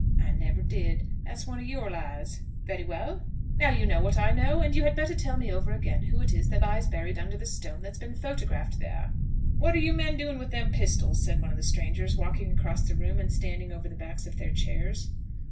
"I never did. That's one of your lies." "Very well. Now you know what I know; and you had better tell me over again who it is that lies buried under the stone that's been photographed there." "What are you men doing with them pistols?" said one of the strangers, walking across the room, and standing over the backs of their chairs.